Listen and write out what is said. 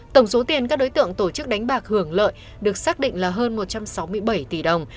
tổng số tiền các đối tượng tổ chức đánh bạc hưởng lợi được xác định là hơn một trăm sáu mươi bảy tỷ đồng